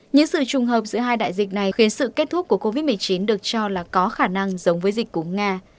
những sự trùng hợp giữa hai đại dịch này khiến sự kết thúc của covid một mươi chín được cho là có khả năng giống với dịch của nga